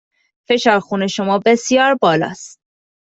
فشار خون شما بسیار بالا است.